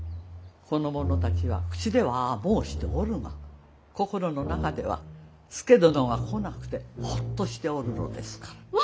この者たちは口ではああ申しておるが心の中では佐殿が来なくてほっとしておるのですから。